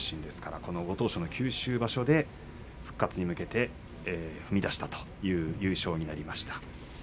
このご当所の九州場所で復活に向けて踏み出したという優勝になりました。